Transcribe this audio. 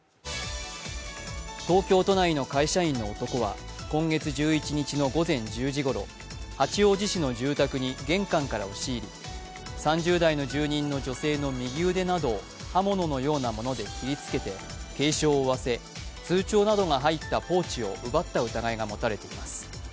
東京都内の会社員の男は今月１１日の午前１０時ごろ、八王子市の住宅に玄関から押し入り、３０代の住人の女性の右腕などを刃物のようなもので切りつけて軽傷を負わせ、通帳などが入ったポーチを奪った疑いが持たれています。